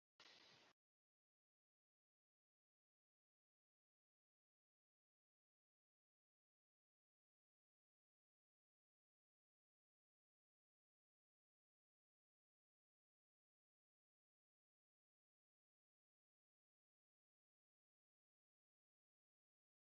কিন্তু যখন কেউ নিজেকে দোষারোপ করে, ঠিক তখনি সে লজ্জা এবং অপরাধ-বোধে ভুগে।